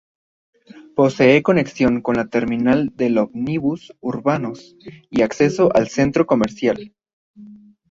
Posee conexión con la Terminal de ómnibus urbanos y acceso al centro comercial.